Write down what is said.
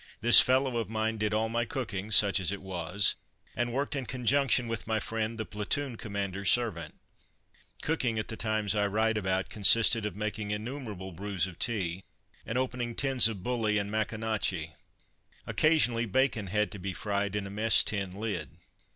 This fellow of mine did all my cooking, such as it was, and worked in conjunction with my friend, the platoon commander's servant. Cooking, at the times I write about, consisted of making innumerable brews of tea, and opening tins of bully and Maconochie. Occasionally bacon had to be fried in a mess tin lid.